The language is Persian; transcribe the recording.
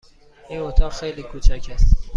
این اتاق خیلی کوچک است.